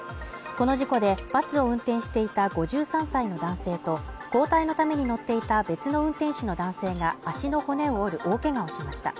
この事故でバスを運転していた５３歳の男性と交代のために乗っていた別の運転手の男性が足の骨を折る大けがをしました